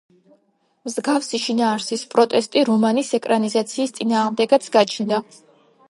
მსგავსი შინაარსის პროტესტი რომანის ეკრანიზაციის წინააღმდეგაც გაჩნდა.